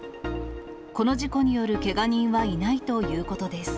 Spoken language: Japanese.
この事故によるけが人はいないということです。